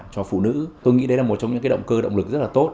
cho phụ nữ tôi nghĩ đấy là một trong những động cơ động lực rất là tốt